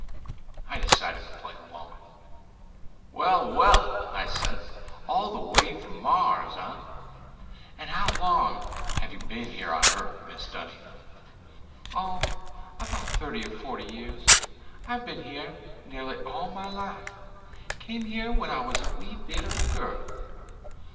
I decided to play along. "Well, well," I said, "all the way from Mars, eh? And how long have you been on Earth, Mrs. Dunny?" "Oh, about thirty or forty years. I've been here nearly all my life. Came here when I was a wee bit of a girl."